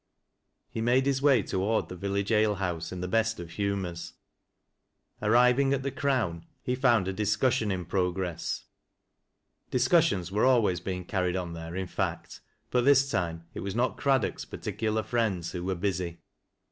He made his way toward the village ale house in the best of humors. Arriving at The Crown, he found a dis cussion in progress. Discussions were always being car ried on there in fact, but this time it was not Craddock's particular friends who were busy.